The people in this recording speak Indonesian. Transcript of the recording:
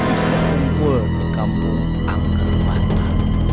yang kumpul di kampung angkerbata